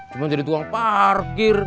cuma jadi tuang parkir